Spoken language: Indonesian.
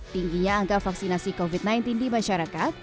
tingginya angka vaksinasi covid sembilan belas di masyarakat